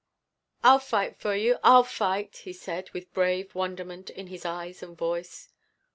"I'll fight fer you I'll fight," he said, with brave, wonderment in his eyes and voice.